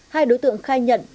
hai đối tượng khai nhận